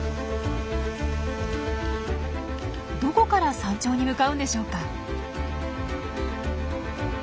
どこから山頂に向かうんでしょうか？